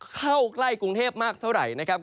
เข้าใกล้กรุงเทพมากเท่าไหร่นะครับ